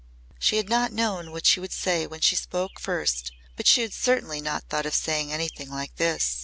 She had not known what she would say when she spoke first but she had certainly not thought of saying anything like this.